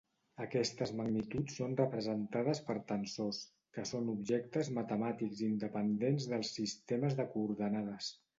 Aquestes magnituds són representades per tensors, que són objectes matemàtics independents dels sistemes de coordenades.